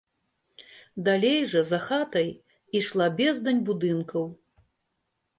Далей жа, за хатай, ішла бездань будынкаў.